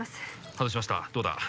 外しましたどうだ？